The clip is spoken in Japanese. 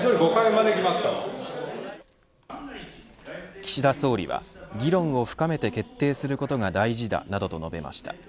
岸田総理は議論を深めて決定することが大事だなどと述べました。